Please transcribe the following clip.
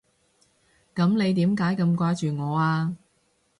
噉你點解咁掛住我啊？